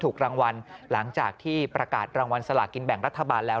ถูกรางวัลหลังจากที่ประกาศรางวัลสลากินแบ่งรัฐบาลแล้ว